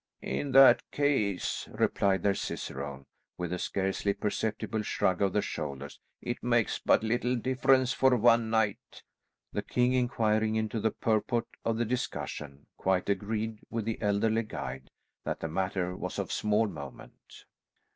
"In that case," replied their cicerone with a scarcely perceptible shrug of the shoulders, "it makes but little difference for one night." The king inquiring into the purport of the discussion, quite agreed with the elderly guide, that the matter was of small moment.